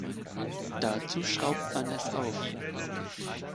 Dazu schraubt man es auf.